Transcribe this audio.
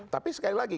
tapi sekali lagi